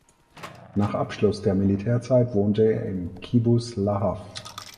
Nach Abschluss der Militärzeit wohnte er im Kibbuz Lahav.